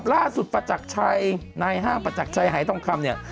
ล่าสุดประจักษ์ชัยนายห้ามประจักษ์ชัยหายทองคำ